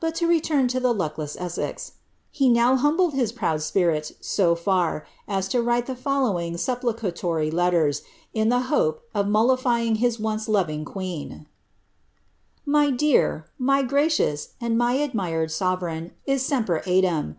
But to return to the luckless Essex. He now humbled his proud spirit ■o &r, as to write the following supplicatory letters, in the hope of mol liiying lus once loving queen :My dear, mj gracious, and my admired aovereign is joiipcr eadem.